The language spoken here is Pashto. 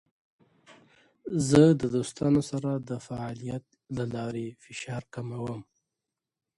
زه د دوستانو سره د فعالیت له لارې فشار کموم.